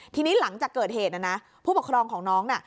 ทีนี้หลังจากเกิดเหตุนะนะผู้ปกครองของน้องน่ะ